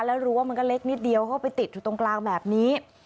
แล้วรั้วมันก็เล็กนิดเดียวเข้าไปติดอยู่ตรงกลางแบบนี้